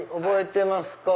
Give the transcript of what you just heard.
覚えてます。